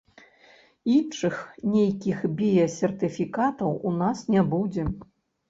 Іншых, нейкіх біясертыфікатаў, у нас не будзе.